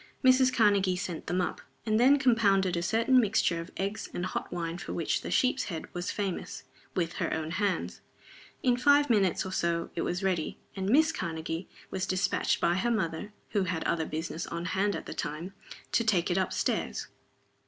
Mrs. Karnegie sent them up, and then compounded a certain mixture of eggs and hot wine for which The Sheep's Head was famous, with her own hands. In five minutes or so it was ready and Miss Karnegie was dispatched by her mother (who had other business on hand at the time) to take it up stairs.